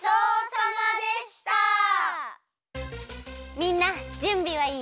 みんなじゅんびはいい？